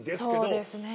そうですね。